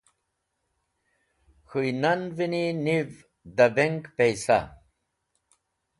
K̃hũynan’veni niv da bank paysa (pũl).